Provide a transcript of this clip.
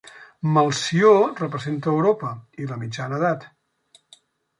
Melcior representa Europa i la mitjana edat.